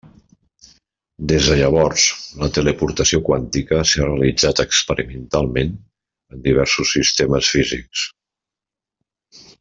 Des de llavors, la teleportació quàntica s'ha realitzat experimentalment en diversos sistemes físics.